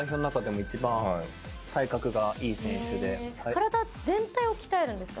体全体を鍛えるんですか？